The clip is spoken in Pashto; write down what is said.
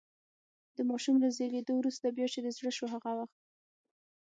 د ماشوم له زېږېدو وروسته، بیا چې دې زړه شو هغه وخت.